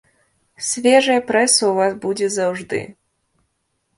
Свежая прэса ў вас будзе заўжды.